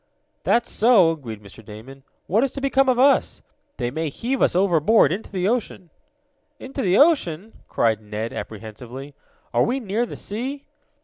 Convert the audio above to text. "That's so!" agreed Mr. Damon. "What is to become of us? They may heave us overboard into the ocean!" "Into the ocean!" cried Ned apprehensively. "Are we near the sea?"